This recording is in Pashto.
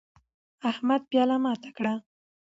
احمد پیاله ماته کړه